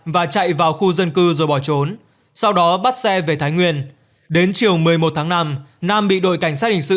và chạy vào khu dân cư rồi bỏ trốn sau đó bắt xe về thái nguyên đến chiều một mươi một tháng năm nam bị đội cảnh sát hình sự